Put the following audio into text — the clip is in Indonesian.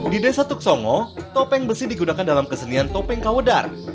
di desa tuk songo topeng besi digunakan dalam kesenian topeng kawedar